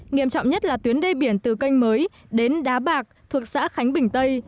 nghiêm trọng nhất là tuyến đê biển từ canh mới đến đá bạc thuộc xã khánh bình tây